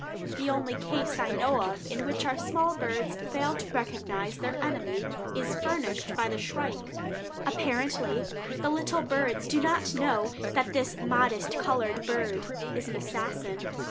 The only case I know of in which our small birds fail to recognize their enemy is furnished by the shrike; apparently the little birds do not know that this modest colored bird is an assassin.